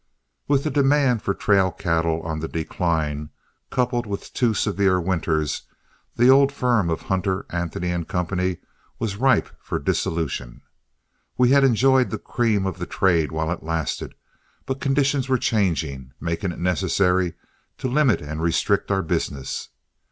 With the demand for trail cattle on the decline, coupled with two severe winters, the old firm of Hunter, Anthony & Co. was ripe for dissolution. We had enjoyed the cream of the trade while it lasted, but conditions were changing, making it necessary to limit and restrict our business.